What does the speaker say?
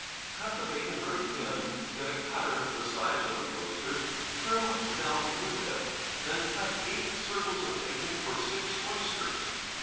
Cut the bacon very thin, get a cutter the size of the oysters, trim them with it, then cut eight circles of bacon for six oysters.